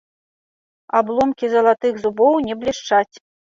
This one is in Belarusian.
Абломкі залатых зубоў не блішчаць.